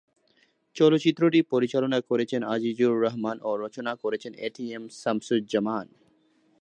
চলচ্চিত্রটি পরিচালনা করেছেন আজিজুর রহমান ও রচনা করেছেন এটিএম শামসুজ্জামান।